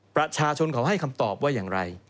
ประชาชนเขาให้คำตอบว่าอย่างไร